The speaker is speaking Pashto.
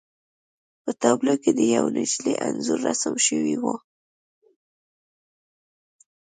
په تابلو کې د یوې نجلۍ انځور رسم شوی و